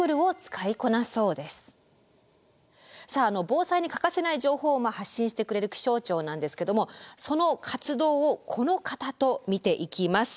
防災に欠かせない情報を発信してくれる気象庁なんですけどもその活動をこの方と見ていきます。